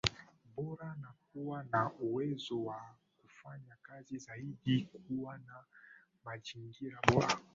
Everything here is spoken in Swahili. bora na kuwa na uwezo wa kufanya kazi zaidi kuwa na mazingira bora